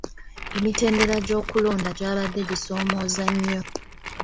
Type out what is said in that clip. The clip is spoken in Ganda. Emitendera gy'okulonda gy'abadde gisoomooza nnyo.